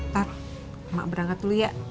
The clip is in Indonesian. tat mak berangkat dulu ya